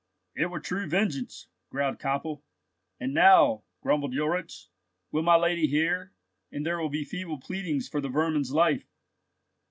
"It were true vengeance," growled Koppel. "And now," grumbled Ulrich, "will my lady hear, and there will be feeble pleadings for the vermin's life."